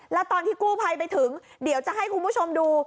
แล้วตอนที่กู้ภัยไปถึงเดี๋ยวจะให้คุณผู้ชมดู